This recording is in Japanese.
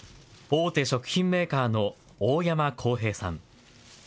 大手食品メーカーの大山弘平さん。